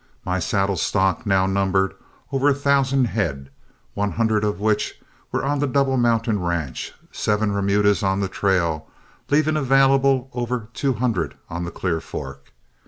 My saddle stock now numbered over a thousand head, one hundred of which were on the Double Mountain ranch, seven remudas on the trail, leaving available over two hundred on the Clear Fork.